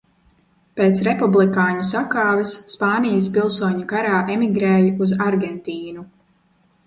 Pēc republikāņu sakāves Spānijas pilsoņu karā emigrēja uz Argentīnu.